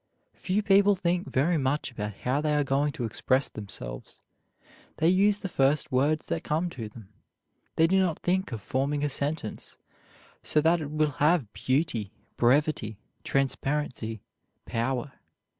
Few people think very much about how they are going to express themselves. They use the first words that come to them. They do not think of forming a sentence so that it will have beauty, brevity, transparency, power.